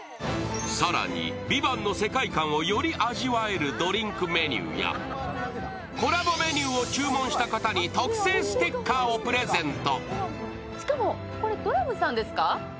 更に、「ＶＩＶＡＮＴ」の世界観をより味わえるドリンクメニューやコラボメニューを注文した方に特製ステッカーをプレゼント。